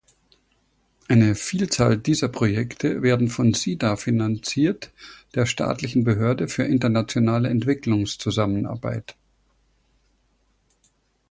Eine Vielzahl dieser Projekte werden von Sida finanziert, der staatlichen Behörde für internationale Entwicklungszusammenarbeit.